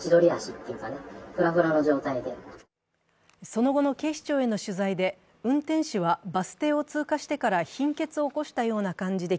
その後の警視庁への取材で、運転手は、バス停を通過してから貧血を起こしたような感じで